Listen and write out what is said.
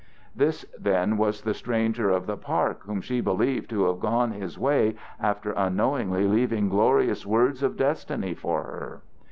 This, then, was the stranger of the park whom she believed to have gone his way after unknowingly leaving glorious words of destiny for her.